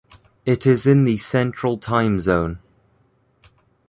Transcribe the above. It is in the Central time zone.